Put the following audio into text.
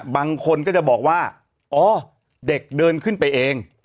บางคนก็จะบอกว่าอ๋อเด็กเดินขึ้นไปเอง